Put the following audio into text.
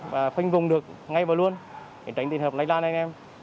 và phanh vùng được ngay và luôn để tránh tình hợp lây lan anh em